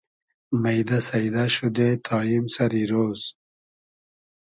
مݷدۂ سݷدۂ شودې تا ایم سئری رۉز